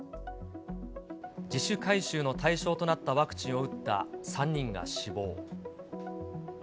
自主回収の対象となったワクチンを打った３人が死亡。